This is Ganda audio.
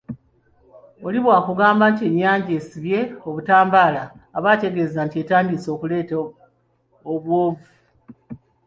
Oli bw’akugamba nti ennyanja esibye obutambaala aba ategeeza nti etandise okuleeta obwovu.